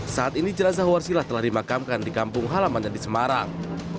saat ini jelasah huarsilah telah dimakamkan di kampung halaman yadi semarang